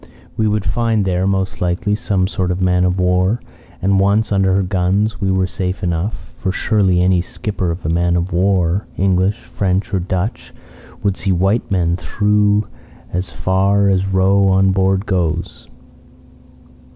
We would find there, most likely, some sort of a man of war, and once under her guns we were safe enough; for surely any skipper of a man of war English, French or Dutch would see white men through as far as row on board goes.